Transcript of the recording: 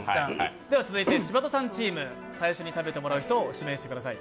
続いて柴田さんチーム、最初に食べてもらう人を指名してください。